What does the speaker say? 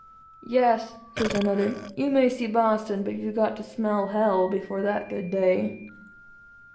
"Yes," says another, "you may see Boston, but you've got to 'smell hell' before that good day."